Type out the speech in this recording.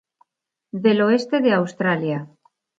Del oeste de Australia.